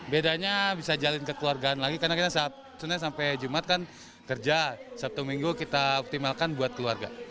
bedanya bisa jalan kekeluargaan lagi karena kita sebenarnya sampai jumat kan kerja sabtu minggu kita optimalkan buat keluarga